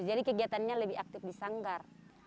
jadi kegiatannya lebih aktif di sanggar